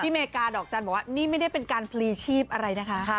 อเมริกาดอกจันทร์บอกว่านี่ไม่ได้เป็นการพลีชีพอะไรนะคะ